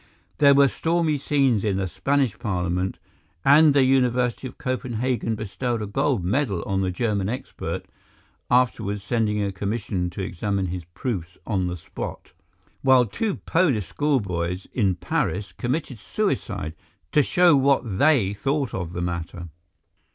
There were stormy scenes in the Spanish Parliament, and the University of Copenhagen bestowed a gold medal on the German expert (afterwards sending a commission to examine his proofs on the spot), while two Polish schoolboys in Paris committed suicide to show what THEY thought of the matter.